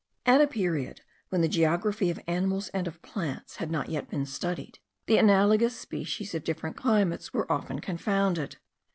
At a period when the geography of animals and of plants had not yet been studied, the analogous species of different climates were often confounded.